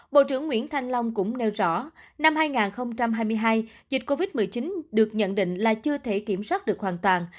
bộ trưởng nguyễn thanh long cũng nêu rõ năm hai nghìn hai mươi hai dịch covid một mươi chín được nhận định là chưa thể kiểm soát được hoàn toàn